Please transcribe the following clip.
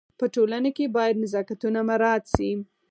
په ټولنه کي باید نزاکتونه مراعت سي.